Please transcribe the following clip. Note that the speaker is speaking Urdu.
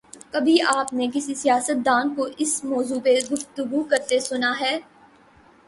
کبھی آپ نے کسی سیاستدان کو اس موضوع پہ گفتگو کرتے سنا ہے؟